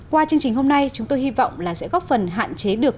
qua chương trình hôm nay chúng tôi hy vọng là sẽ góp phần hạn chế được